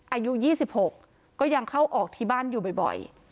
อายุ๒๖ก็ยังเข้าออกที่บ้านอยู่บ่อย